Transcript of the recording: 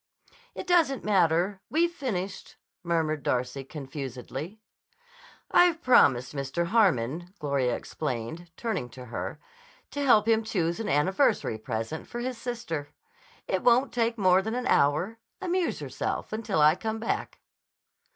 "It doesn't matter. We'd finished," murmured Darcy confusedly. "I've promised Mr. Harmon," Gloria explained, turning to her, "to help him choose an anniversary present for his sister. It won't take more than an hour. Amuse yourself until I come back."